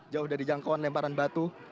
jauh dari jangkauan lemparan batu